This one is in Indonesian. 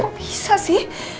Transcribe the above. kok bisa sih